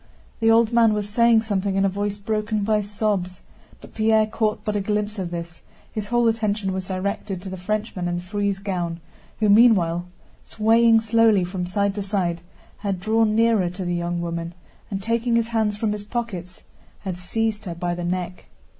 The old man was saying something in a voice broken by sobs, but Pierre caught but a glimpse of this, his whole attention was directed to the Frenchman in the frieze gown who meanwhile, swaying slowly from side to side, had drawn nearer to the young woman and taking his hands from his pockets had seized her by the neck.